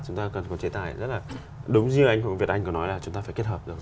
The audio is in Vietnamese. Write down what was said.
chúng ta cần có chế tài rất là đúng như anh hùng việt anh có nói là chúng ta phải kết hợp rồi